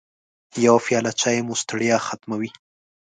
يوه پیاله چای مو ستړیا ختموي.